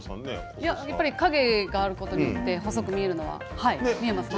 やっぱり影があることによって細く見えます。